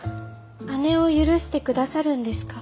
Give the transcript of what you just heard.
姉を許して下さるんですか？